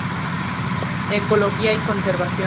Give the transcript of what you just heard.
Ecología y conservación.